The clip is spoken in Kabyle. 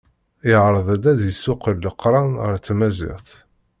Yeɛreḍ ad d-yessuqel leqran ɣer tmaziɣt.